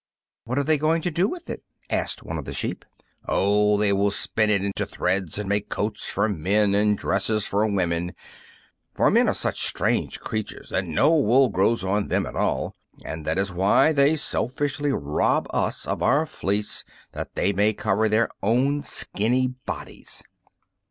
"What are they going to do with it?" asked one of the sheep. "Oh, they will spin it into threads and make coats for the men and dresses for the women. For men are such strange creatures that no wool grows on them at all, and that is why they selfishly rob us of our fleece that they may cover their own skinny bodies!"